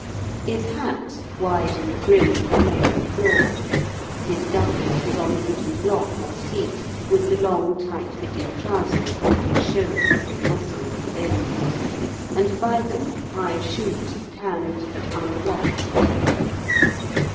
His hat, wide in the brim, lay on the floor; his doublet was on the wooden block or seat, with the long tight fitting trousers, which showed every muscle of the limb, and by them high shoes of tanned but unblacked leather.